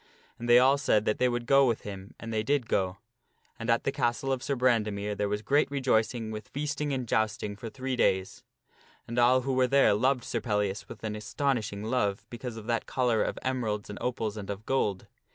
And they all said that they would go with the castle of him , and they did go. And at the castle of Sir Brandemere Sir Brandemere there was great rejoicing with feasting and jousting for three days. And all who were there loved Sir Pellias with an astonishing love be cause of that collar of emeralds and opals and of gold.